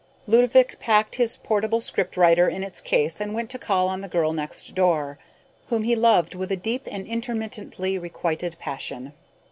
Ludovick packed his portable scriptwriter in its case and went to call on the girl next door, whom he loved with a deep and intermittently requited passion.